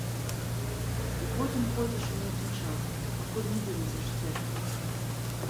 І потым ходзіш у нейкім чадзе, пакуль не вылезеш з гэтага.